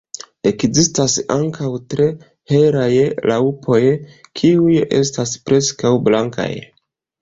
Ekzistas ankaŭ tre helaj raŭpoj, kiuj estas preskaŭ blankaj.